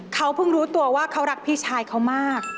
เขาเพิ่งรู้ตัวว่าเขารักพี่ชายเขามาก